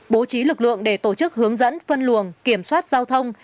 bố trí lực lượng để tổ chức hướng dẫn phân luồng kiểm soát giao thông